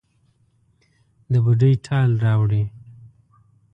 د بوډۍ ټال راوړي